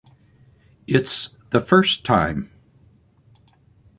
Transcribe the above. It's the first time.